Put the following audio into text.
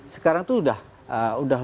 sekarang itu sudah